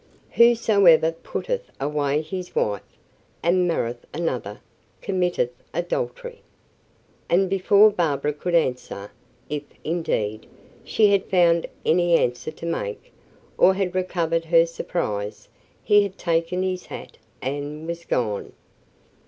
"'Whosoever putteth away his wife, and marrieth another, committeth adultery.'" And before Barbara could answer, if, indeed, she had found any answer to make, or had recovered her surprise, he had taken his hat and was gone.